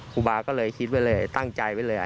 ครูบาก็เลยคิดไว้เลยตั้งใจไว้เลย